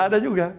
nggak ada juga